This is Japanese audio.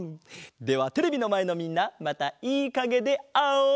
ではテレビのまえのみんなまたいいかげであおう！